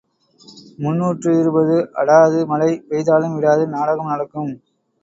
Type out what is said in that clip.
முன்னூற்று இருபது அடாது மழை பெய்தாலும் விடாது நாடகம் நடக்கும்.